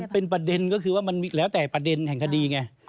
เป็นประเด็นก็คือว่ามันมีแล้วแต่ประเด็นแห่งคดีไง